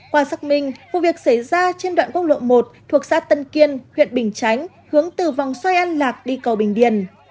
qua xác minh vụ việc xảy ra trên đoạn quốc lộ một thuộc xã tân kiên huyện bình chánh hướng từ vòng xoay an lạc đi cầu bình điền